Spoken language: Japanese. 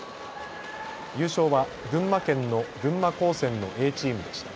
優勝は群馬県の群馬高専のＡチームでした。